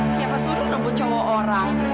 siapa suruh rebut cowok orang